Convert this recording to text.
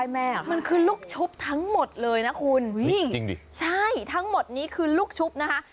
มันคือลูกชุบทั้งหมดเลยนะคุณจริงดิใช่ทั้งหมดนี้คือลูกชุบนะคะ